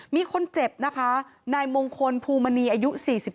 มีคนเจ็บนะคะนายมงคลภูมณีอายุ๔๒